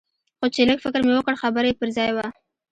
خو چې لږ فکر مې وکړ خبره يې پر ځاى وه.